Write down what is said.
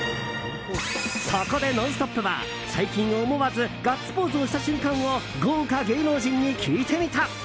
そこで「ノンストップ！」は最近、思わずガッツポーズをした瞬間を豪華芸能人に聞いてみた！